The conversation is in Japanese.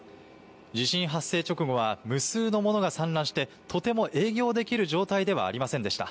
地震発生直後は無数のものが散乱してとても営業できる状態ではありませんでした。